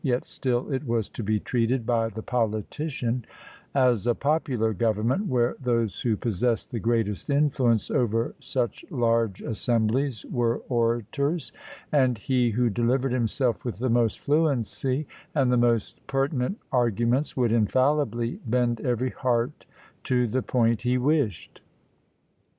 Yet still it was to be treated by the politician as a popular government, where those who possessed the greatest influence over such large assemblies were orators, and he who delivered himself with the most fluency and the most pertinent arguments would infallibly bend every heart to the point he wished.